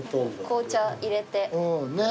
紅茶入れてね。